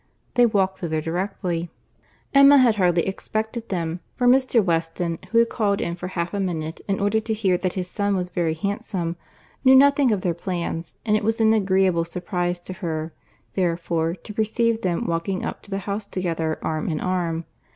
They walked thither directly. Emma had hardly expected them: for Mr. Weston, who had called in for half a minute, in order to hear that his son was very handsome, knew nothing of their plans; and it was an agreeable surprize to her, therefore, to perceive them walking up to the house together, arm in arm.